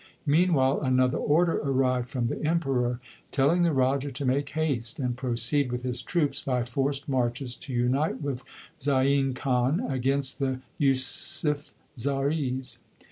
Meanwhile another order arrived from the Emperor telling the Raja to make haste and proceed with his troops by forced marches to unite with Zain Khan against the Yusufzais.